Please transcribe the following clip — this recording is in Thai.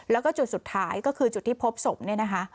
แล้วก็จุดสุดท้ายก็คือจุดที่พบศพเนี่ยนะคะ